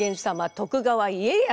徳川家康様